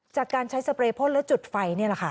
จากการใช้สเปรยพ่นแล้วจุดไฟนี่แหละค่ะ